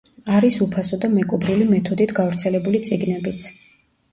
არის უფასო და მეკობრული მეთოდით გავრცელებული წიგნებიც.